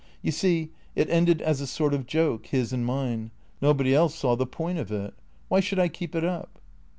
"You see, it ended as a sort of joke, his and mine — nobody else saw the point of it. Why should I keep it up